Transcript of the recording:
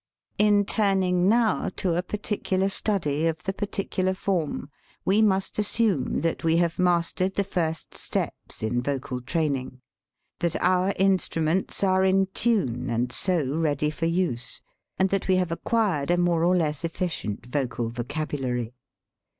In turning now to a particular study of the particular form, we must assume that we have mastered the first steps in vocal train ing: that our instruments are in tune and so ready for use; and that we have acquired a more or less efficient vocal vocabulary.